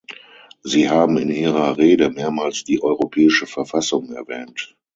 Sie haben in Ihrer Rede mehrmals die europäische Verfassung erwähnt.